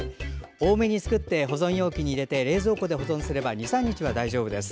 多めに作っておいて保存容器に入れて冷蔵庫で保存すれば２３日は大丈夫です。